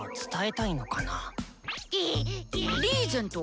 リーゼント？